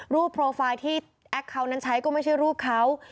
โปรไฟล์ที่แอคเคาน์นั้นใช้ก็ไม่ใช่รูปเขา